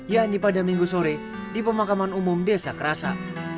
yakni pada minggu sore di pemakaman umum desa kerasa